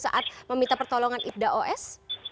saat meminta pertolongan ipda os